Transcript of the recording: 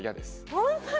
ホントに？